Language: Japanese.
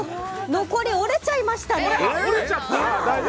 残り、折れちゃいましたね。